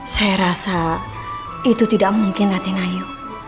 saya rasa itu tidak mungkin raden ayu